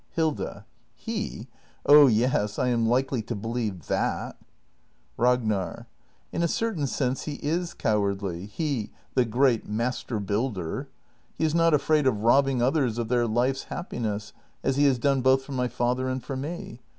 Hilda. He! Oh yes, I am likely to believe that! Ragnar. In a certain sense he i s cowardly — he, the great mas ter builder. He is not afraid of robbing others of their life's happiness — as he has done both for my father and for me.